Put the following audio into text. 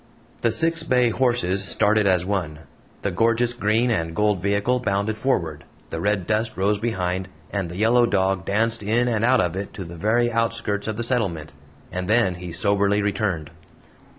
The six bay horses started as one, the gorgeous green and gold vehicle bounded forward, the red dust rose behind, and the yellow dog danced in and out of it to the very outskirts of the settlement. And then he soberly returned.